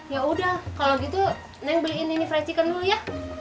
ya udah kalau gitu neng beliin ini frecikan dulu ya